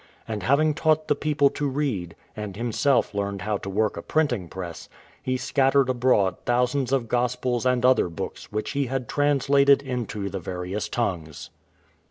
And having taught the people to read, and himself learned how to work a printing press, he scattered abroad thousands of Gospels and other books which he had translated into the various tongues.